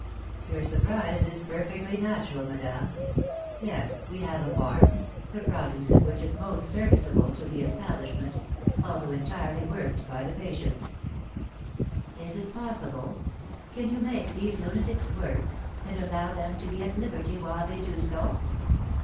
"Your surprise is perfectly natural, madame. Yes, we have a farm, the produce of which is most serviceable to the establishment, although entirely worked by the patients." "Is it possible? Can you make these lunatics work, and allow them to be at liberty while they do so?"